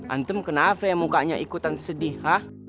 antum kenapa mukanya ikutan sedih